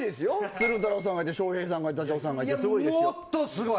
鶴太郎さんがいて笑瓶さんダチョウさんがいてすごいですよおい！